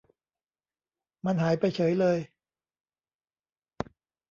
มันหายไปเฉยเลย